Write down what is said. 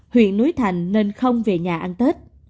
huyện núi thành nên không về nhà ăn tết